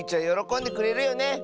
よろこんでくれるよね。